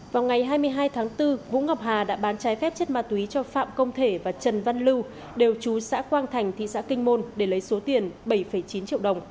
vào ngày hai mươi hai tháng bốn vũ ngọc hà đã bán trái phép chất ma túy cho phạm công thể và trần văn lưu đều chú xã quang thành thị xã kinh môn để lấy số tiền bảy chín triệu đồng